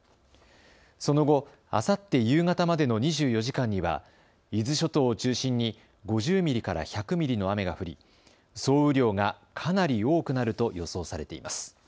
その後、あさって夕方までの２４時間には伊豆諸島を中心に５０ミリから１００ミリの雨が降り、総雨量がかなり多くなると予想されています。